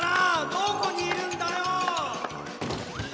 どこにいるんだよ！